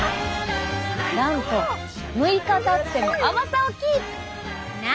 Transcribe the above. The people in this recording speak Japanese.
なんと６日たっても甘さをキープ！な！